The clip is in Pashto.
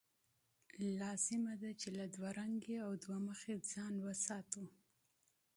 لازمه ده چې له دوه رنګۍ، دوه مخۍ ځان وژغورو.